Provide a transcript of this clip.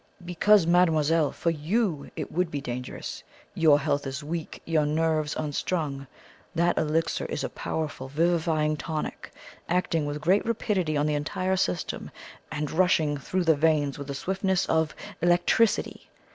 "Because, mademoiselle, for YOU it would be dangerous. Your health is weak, your nerves unstrung. That elixir is a powerful vivifying tonic, acting with great rapidity on the entire system, and rushing through the veins with the swiftness of ELECTRICITY.